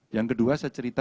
yang kedua saya cerita